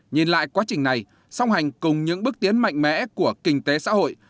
nhìn lại quá trình này song hành cùng những bước tiến mạnh mẽ của kinh tế xã hội